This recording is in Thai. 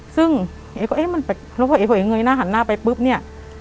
ซึ่งเอ๊ก็เอ๊ะมันแปลกแล้วพอเอ๋พอเองเงยหน้าหันหน้าไปปุ๊บเนี่ย